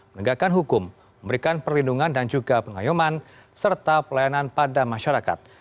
menegakkan hukum memberikan perlindungan dan juga pengayuman serta pelayanan pada masyarakat